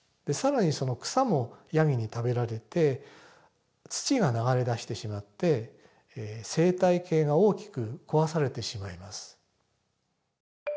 更にその草もヤギに食べられて土が流れ出してしまって生態系が大きく壊されてしまいます。